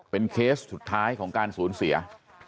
เป็นเคสสุดท้ายของการศูนย์เสีย